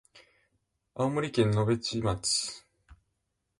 青森県野辺地町